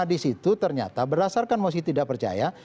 nah disitu ternyata berdasarkan mosi tidak percaya